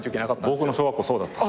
僕の小学校そうだった。